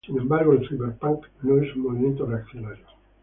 Sin embargo, el ciberpunk no es un movimiento reaccionario.